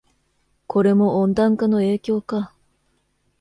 これも温暖化の影響か